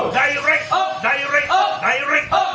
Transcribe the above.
ไดรค์ไดรค์ไดรค์